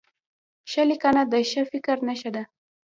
ښه لیکنه د ښه فکر نښه ده.